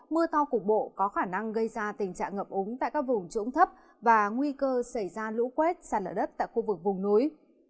mưa to cục bộ có khả năng gây ra tình trạng ngập úng tại các vùng trũng thấp và nguy cơ xảy ra lũ quét xa lở đất tại khu vực vùng núi